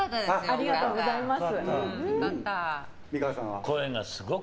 ありがとうございます。